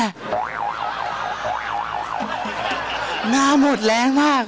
หน้าหมดแรงมาก